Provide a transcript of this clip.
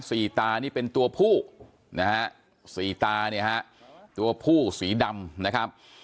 ตานี่เป็นตัวผู้นะฮะสี่ตาเนี่ยฮะตัวผู้สีดำนะครับ